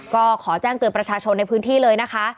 ก็ขอแจ้งเตือนประชาชนในพื้นที่เลยนะคะ